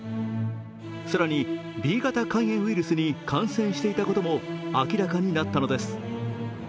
更に、Ｂ型肝炎ウイルスに感染していたことも明らかになったのです。